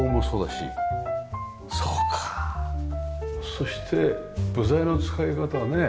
そして部材の使い方がね。